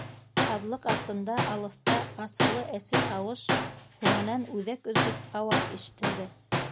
Һаҙлыҡ артында, алыҫта асыулы әсе тауыш, һуңынан үҙәк өҙгөс ауаз ишетелде.